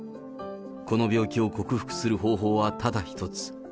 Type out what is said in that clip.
この病気を克服する方法はただ一つ。